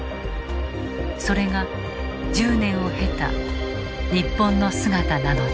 それが１０年を経た日本の姿なのだ。